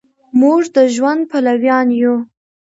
مونږ د ژوند پلویان یو